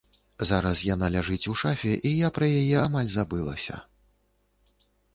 Зараз яна ляжыць у шафе, і я пра яе амаль забылася.